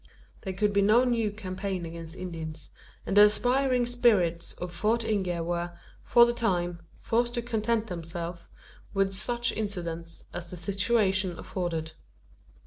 There could be no new campaign against Indians; and the aspiring spirits of Fort Inge were, for the time, forced to content themselves with such incidents as the situation afforded.